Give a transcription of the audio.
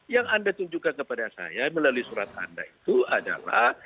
yang anda tunjukkan kepada saya melalui surat anda itu adalah